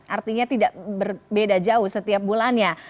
artinya tidak berbeda jauh setiap bulannya